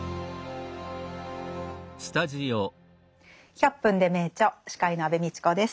「１００分ｄｅ名著」司会の安部みちこです。